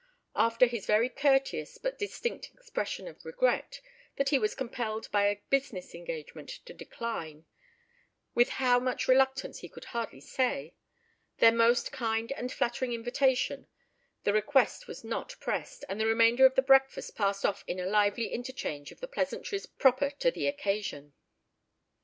After his very courteous, but distinct expression of regret, that he was compelled by a business engagement to decline—with how much reluctance, he could hardly say—their most kind and flattering invitation, the request was not pressed, and the remainder of the breakfast passed off in a lively interchange of the pleasantries proper to the occasion.